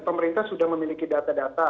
pemerintah sudah memiliki data data